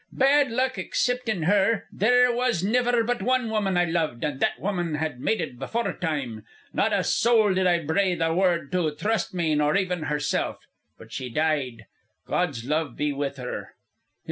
Bad luck, exciptin' her, there was niver but one woman I loved, an' that woman had mated beforetime. Not a soul did I brathe a word to, trust me, nor even herself. But she died. God's love be with her."